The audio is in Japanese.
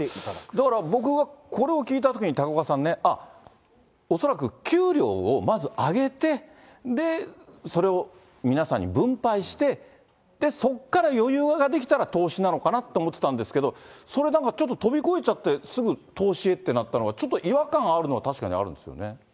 だから僕はこれを聞いたときに、高岡さんね、あっ、恐らく給料をまず上げて、で、それを皆さんに分配して、そこから余裕が出来たら投資なのかなって思ってたんですけど、それなんか、ちょっと飛び越えちゃって、すぐ投資へってなったのが、ちょっと違和感あるのは確かにあるんですよね。